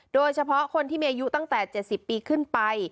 โดยเฉพาะคนที่มีอายุตั้งแต่๗๐ปีขึ้นไป